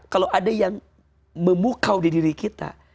kalau ada yang memukau di diri kita